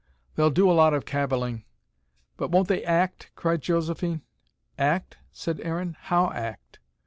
They'll do a lot of cavilling." "But won't they ACT?" cried Josephine. "Act?" said Aaron. "How, act?"